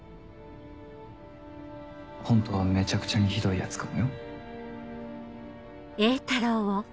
ホントはめちゃくちゃにひどいヤツかもよ。